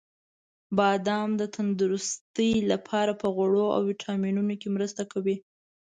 • بادام د تندرستۍ لپاره په غوړو او ویټامینونو کې مرسته کوي.